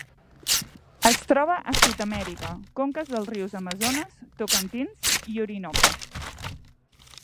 Es troba a Sud-amèrica: conques dels rius Amazones, Tocantins i Orinoco.